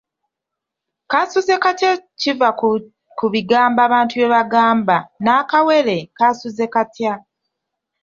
Kasuze katya kiva ku bigambo abantu bye bagamba nakawere; kaasuze katya?.